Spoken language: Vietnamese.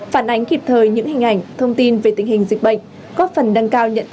phản ánh kịp thời những hình ảnh thông tin về tình hình dịch bệnh